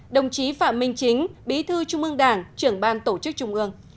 đồng chí phạm minh chính bí thư trung ương đảng trưởng ban tổ chức trung ương